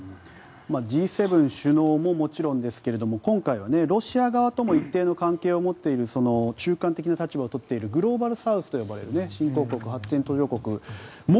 Ｇ７首脳ももちろんですが今回はロシア側とも一定の関係を持っている中間的な立場をとっているグローバルサウスという新興国、発展途上国も